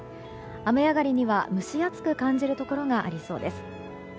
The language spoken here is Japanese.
雨上がりには蒸し暑く感じるところがありそうです。